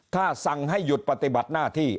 ถ้าสั่งให้หยุดปฏิบัติหน้าที่